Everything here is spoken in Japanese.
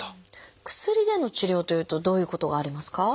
薬での治療というとどういうことがありますか？